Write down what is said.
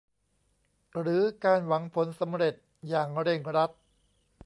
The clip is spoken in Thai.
หรือการหวังผลสำเร็จอย่างเร่งรัด